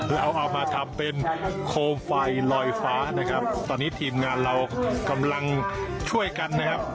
เราเอามาทำเป็นโคมไฟลอยฟ้านะครับตอนนี้ทีมงานเรากำลังช่วยกันนะครับ